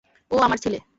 ও আমার ছেলে!